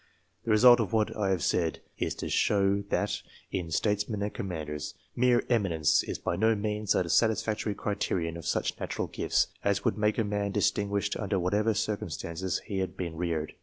The result of what I have said, is to show that in itesmen and commanders, mere " eminence " is by no leans a satisfactory criterion of ^such natural gifts as rould make a man distinguished under whatever circum stances he had been reared.